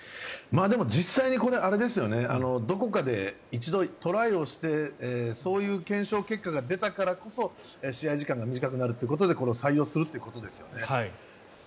でも実際にどこかで一度トライをしてそういう検証結果が出たからこそ試合時間が短くなるということでこれを採用するということですよね。